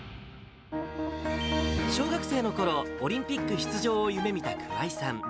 小学生のころ、オリンピック出場を夢みた桑井さん。